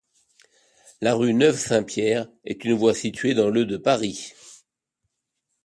La rue Neuve-Saint-Pierre est une voie située dans le de Paris.